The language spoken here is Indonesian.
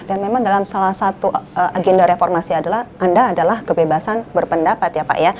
dan memang dalam salah satu agenda reformasi adalah anda adalah kebebasan berpendapat ya pak ya